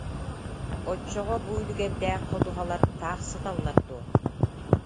Оччоҕо бу үлүгэрдээх ходуһалар таах сыталлар дуо